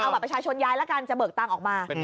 เอาบัตรประชาชนย้ายแล้วกันจะเบิกตังค์ออกมา